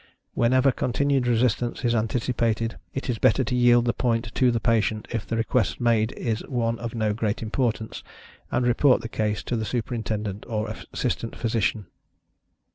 Whenever continued resistance is anticipated, it is better to yield the point to the patient, if the request made is one of no great importance, and report the case to the Superintendent or Assistant Physician.